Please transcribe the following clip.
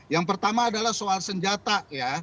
yang pertama adalah soal senjata ya